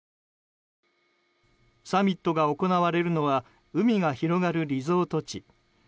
サミットが行われるのは海が広がるリゾート地。